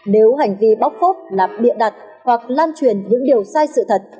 nếu hành vi bóc phốt là bịa đặt hoặc lan truyền những điều sai sự thật